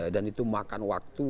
dan itu makan waktu